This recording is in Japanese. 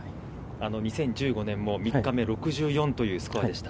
◆２０１５年も３日目、６４というスコアでした。